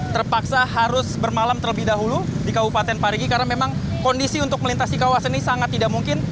terpaksa harus bermalam terlebih dahulu di kabupaten parigi karena memang kondisi untuk melintasi kawasan ini sangat tidak mungkin